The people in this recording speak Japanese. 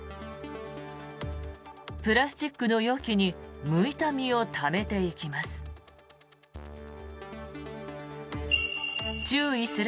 プラスチックの容器にむいた身をためていきます。